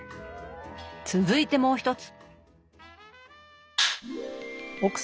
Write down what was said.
続いてもう一つ。